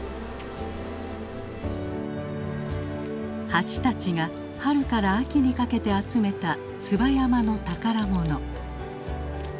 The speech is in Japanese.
蜂たちが春から秋にかけて集めた椿山の宝物。